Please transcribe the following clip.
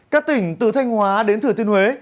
các tỉnh từ thanh hóa đến thừa tiên huế